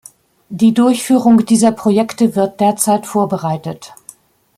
Die Durchführung dieser Projekte wird derzeit vorbereitet.